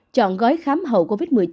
chọn gói khám hậu covid một mươi chín